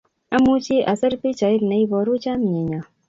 Amuchi asir pichai ne iporu chamyenyo